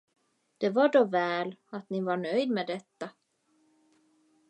Det var då väl, att ni var nöjd med detta.